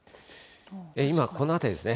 今、この辺りですね。